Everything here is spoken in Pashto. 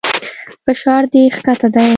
فشار دې کښته دى.